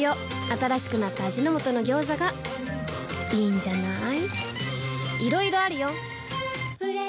新しくなった味の素の「ギョーザ」がいいんじゃない？